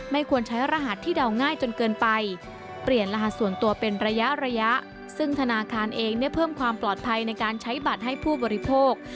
ควรใช้รหัสที่เดาง่ายจนเกินไปเปลี่ยนรหัสส่วนตัวเป็นระยะระยะซึ่งธนาคารเองได้เพิ่มความปลอดภัยในการใช้บัตรให้ผู้บริโภค